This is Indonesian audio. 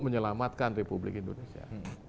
menyelamatkan republik indonesia